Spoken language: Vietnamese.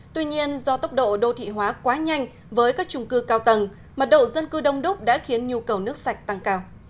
tuy nhiên do tốc độ đô thị hóa quá nhanh với các trung cư cao tầng mật độ dân cư đông đúc đã khiến nhu cầu nước sạch tăng cao